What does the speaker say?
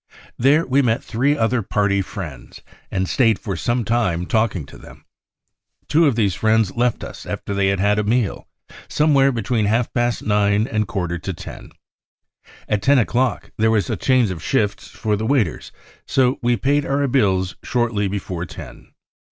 There we met three other Party friends, and stayed for some time talking to them. Two of these friends left us after they had had a meal, somewhere between half past nine and a quarter to ten. At ten o'clock there was a change of shift for the waiters, so we paid our bills shortly before ten.